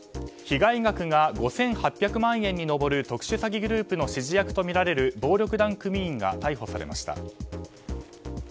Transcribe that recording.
被害額が５８００万円に上る特殊詐欺グループの指示役とみられる暴力団組員が逮捕されました。